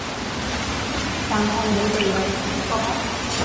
但係你哋有傾過？